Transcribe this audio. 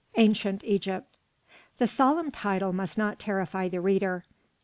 ANCIENT EGYPT The solemn title must not terrify the reader.